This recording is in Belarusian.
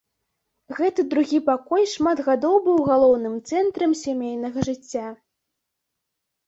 Гэты другі пакой шмат гадоў быў галоўным цэнтрам сямейнага жыцця.